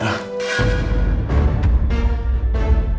aku tunggu kamu